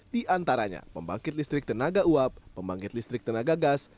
di antaranya pembangkit listrik tenaga uap pembangkit listrik tenaga gas